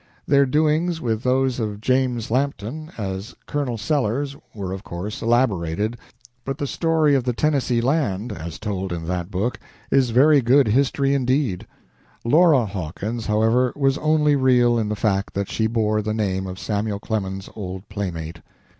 Their doings, with those of James Lampton as Colonel Sellers, were, of course, elaborated, but the story of the Tennessee land, as told in that book, is very good history indeed. Laura Hawkins, however, was only real in the fact that she bore the name of Samuel Clemens's old playmate.